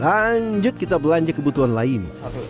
lanjut kita belanja kebutuhan lain